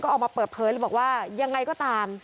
ก็ออกมาเปิดเพลินแล้วบอกว่ายังไงก็ตาม